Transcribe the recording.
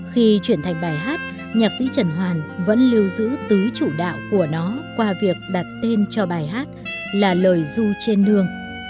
khi chuyển thành bài hát nhạc sĩ trần hoàn vẫn lưu giữ tứ chủ đạo của nó qua việc đặt tên cho bài hát là lời du trên nương